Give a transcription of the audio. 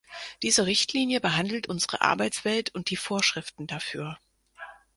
Diese Richtlinie behandelt unsere Arbeitswelt und die Vorschriften dafür.